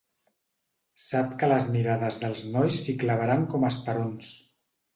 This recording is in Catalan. Sap que les mirades dels nois s'hi clavaran com esperons.